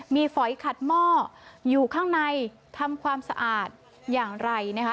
มีฝอยขัดหม้ออยู่ข้างในทำความสะอาดอย่างไรนะคะ